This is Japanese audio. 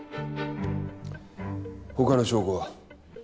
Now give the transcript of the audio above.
他の証拠は？